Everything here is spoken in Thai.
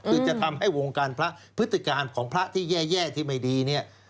คือจะทำให้วงการพระพฤติการของพระที่แย่ที่ไม่ดีเนี่ย